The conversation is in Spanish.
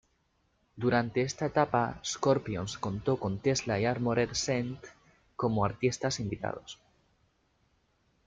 Durante esta etapa Scorpions contó con Tesla y Armored Saint como artistas invitados.